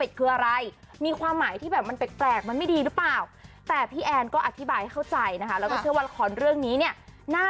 เห้ยไม่โอเคเลยอะโกรธด้วยนะ